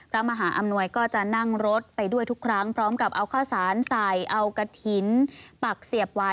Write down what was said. พระมหาอำนวยก็จะนั่งรถไปด้วยทุกครั้งพร้อมกับเอาข้าวสารใส่เอากระถิ่นปักเสียบไว้